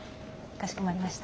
かしこまりました。